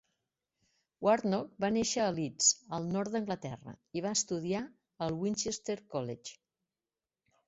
Warnock va néixer a Leeds, al nord d'Anglaterra, i va estudiar al Winchester College.